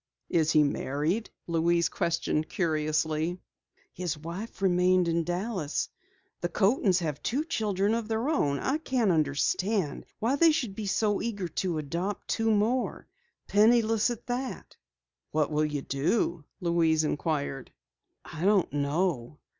"Is he married?" Louise questioned curiously. "His wife remained in Dallas. The Coatens have two children of their own. I can't understand why they should be so eager to adopt two more penniless at that." "What will you do?" Louise inquired. "I don't know.